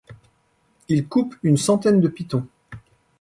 Ils coupent une centaine de pitons.